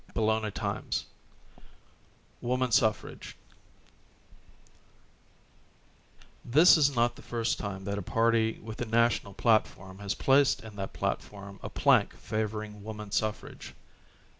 CHAPTER XIII Woman Suffrage By BERTHA REMBAUGH Tliis is not the first time that a party with a National platform has placed in that platform a plank favoring woman suffrage.